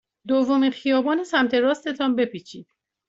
دومین خیابان سمت راست تان بپیچید.